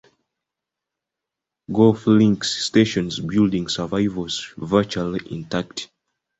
Golf Links station building survives virtually intact.